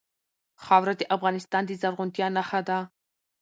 خاوره د افغانستان د زرغونتیا نښه ده.